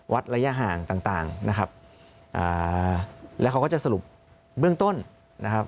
ระยะห่างต่างต่างนะครับอ่าแล้วเขาก็จะสรุปเบื้องต้นนะครับ